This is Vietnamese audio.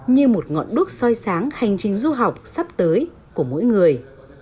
như một ngọn đúc soi sáng hành trình du học sắp tới của mỗi người